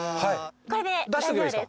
これで大丈夫です。